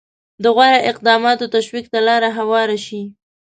د غوره اقداماتو تشویق ته لاره هواره شي.